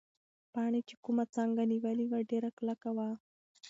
پاڼې چې کومه څانګه نیولې وه، ډېره کلکه وه.